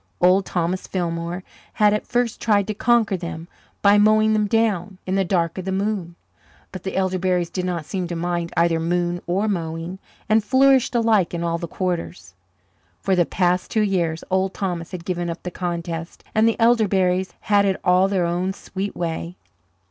Old Thomas Fillmore had at first tried to conquer them by mowing them down "in the dark of the moon." But the elderberries did not seem to mind either moon or mowing, and flourished alike in all the quarters. For the past two years Old Thomas had given up the contest, and the elderberries had it all their own sweet way.